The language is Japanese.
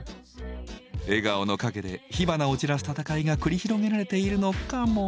笑顔の陰で火花を散らす戦いが繰り広げられているのかも。